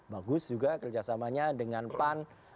bagus juga kerjasamanya dengan pan